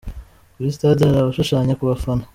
Kuri Stade, hari abashushanya ku bafana.